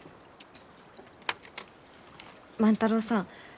万太郎さん。